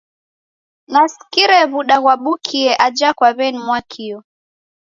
Nasikire w'uda ghwabukie aja kwa weni-Mwakio.